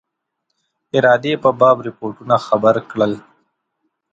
ارادې په باب رپوټونو خبر کړل.